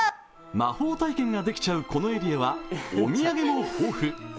魔法体験ができちゃうこのエリアは、お土産も豊富。